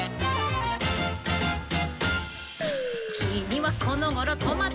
「きみはこのごろトマトだね」